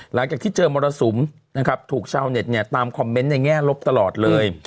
หลังจากที่เจอมรสุมนะครับถูกชาวเน็ตเนี่ยตามคอมเมนต์ในแง่ลบตลอดเลย